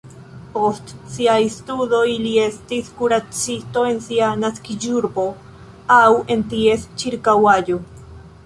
Post siaj studoj li estis kuracisto en sia naskiĝurbo aŭ en ties ĉirkaŭaĵo.